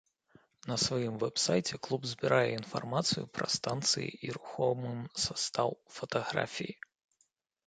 На сваім вэб-сайце клуб збірае інфармацыю пра станцыі і рухомым састаў, фатаграфіі.